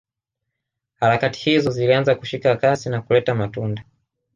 Harakati hizo zilianza kushika kasi na kuleta matunda